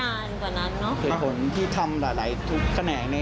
น่าต้องจบอย่างนี้ผมว่าน่าจะเป็นผมแล้วแหละ